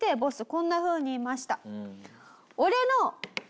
こんなふうに言いました。